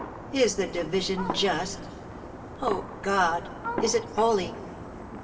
Is the division just ?— Oh, God ! Is it holy?"